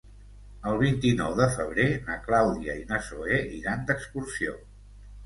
El vint-i-nou de febrer na Clàudia i na Zoè iran d'excursió.